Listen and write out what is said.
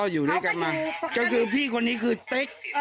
อยู่ด้วยกันมาก็คือพี่คนนี้คือเต๊ก